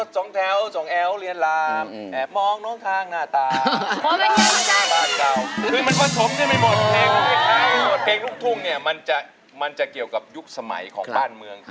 ส่วนเพียงทุ่งมันจะเกี่ยวกับยุคสมัยของบ้านเมือง